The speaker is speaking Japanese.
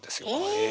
へえ。